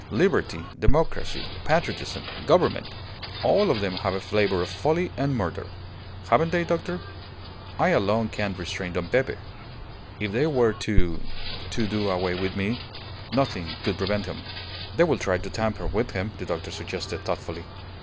Liberty, democracy, patriotism, government all of them have a flavour of folly and murder. Haven't they, doctor? ... I alone can restrain Don Pepe. If they were to to do away with me, nothing could prevent him." "They will try to tamper with him," the doctor suggested, thoughtfully.